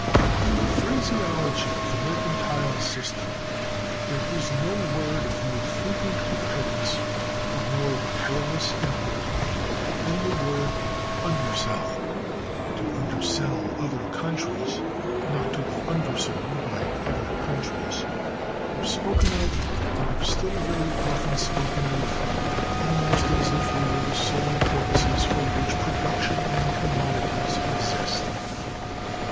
In the phraseology of the Mercantile System, there is no word of more frequent recurrence or more perilous import than the word underselling. To undersell other countries—not to be undersold by other countries—were spoken of, and are still very often spoken of, almost as if they were the sole purposes for which production and commodities exist.